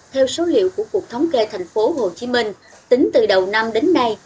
theo số liệu của cuộc thống kê thành phố hồ chí minh tính từ đầu năm đến nay